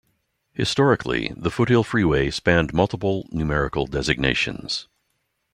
Historically, the Foothill Freeway spanned multiple numerical designations.